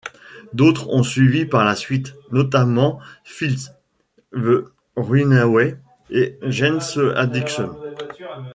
D'autres ont suivi par la suite, notamment Phish, The Runaways et Jane's Addiction.